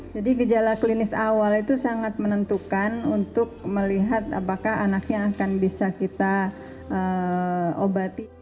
jadi gejala klinis awal itu sangat menentukan untuk melihat apakah anaknya akan bisa kita obati